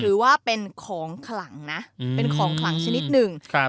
ถือว่าเป็นของขลังนะเป็นของขลังชนิดหนึ่งครับ